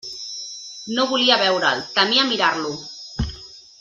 No volia veure'l: temia mirar-lo!